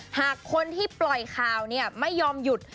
หากคนที่ปล่อยข่าวไม่ยอมหยุด